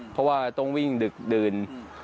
เพราะว่าต้องวิ่งดึกดื่น